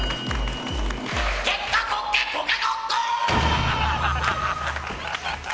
ケッカコッケコケコッコー！